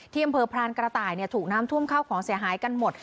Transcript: อำเภอพรานกระต่ายถูกน้ำท่วมเข้าของเสียหายกันหมด